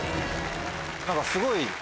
何かすごい。